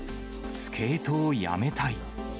スケートをやめたい。